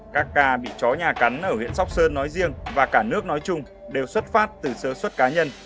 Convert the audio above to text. các ca bị chó nhà cắn ở huyện sóc sơn nói riêng và cả nước nói chung đều xuất phát từ sơ xuất cá nhân